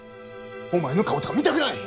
お前の顔とか見たくない！